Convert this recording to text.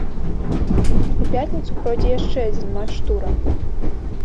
У пятніцу пройдзе яшчэ адзін матч тура.